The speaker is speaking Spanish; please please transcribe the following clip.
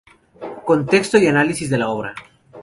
Contexto y análisis de la obra